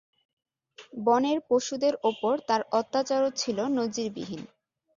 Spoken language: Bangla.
বনের পশুদের ওপর তার অত্যচারও ছিল নজিরবিহীন।